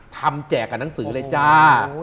แจกกับหนังสือเลยจ้า